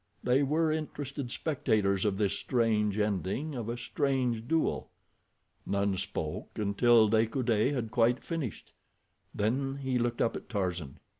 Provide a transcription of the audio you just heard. They were interested spectators of this strange ending of a strange duel. None spoke until De Coude had quite finished, then he looked up at Tarzan.